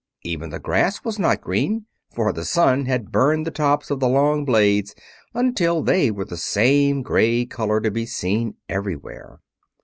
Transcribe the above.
Even the grass was not green, for the sun had burned the tops of the long blades until they were the same gray color to be seen everywhere.